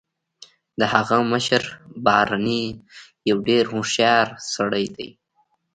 د هغه مشر بارني یو ډیر هوښیار سړی دی